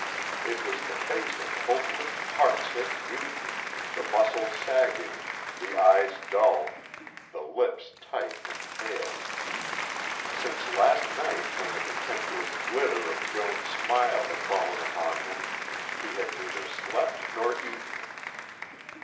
It was the face of hopeless, heartsick youth, the muscles sagging, the eyes dull, the lips tight and pale. Since last night when the contemptuous glitter of Joan's smile had fallen upon him, he had neither slept nor eaten.